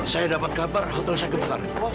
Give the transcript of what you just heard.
saya dapat kabar hotel saya keputar